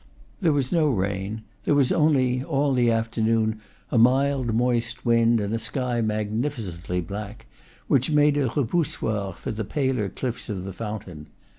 There was no rain; there was only, all the after noon, a mild, moist wind, and a sky magnificently black, which made a repoussoir for the paler cliffs of the fountain.